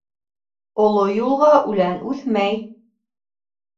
Оло юлға үлән үҫмәй.